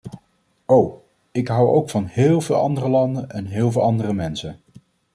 O, ik hou ook van heel veel andere landen en heel veel andere mensen!